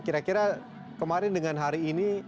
kira kira kemarin dengan hari ini